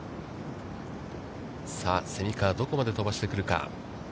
蝉川、どこまで飛ばしてくるか。